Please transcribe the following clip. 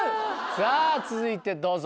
さぁ続いてどうぞ。